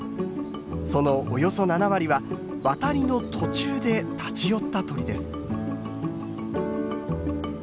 そのおよそ７割は渡りの途中で立ち寄った鳥です。